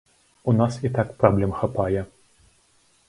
У нас і так праблем хапае.